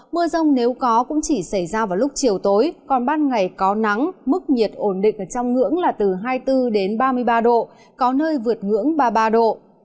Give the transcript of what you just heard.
mưa rông nếu có cũng chỉ xảy ra vào lúc chiều tối còn ban ngày có nắng mức nhiệt ổn định ở trong ngưỡng là từ hai mươi bốn đến ba mươi ba độ có nơi vượt ngưỡng ba mươi ba độ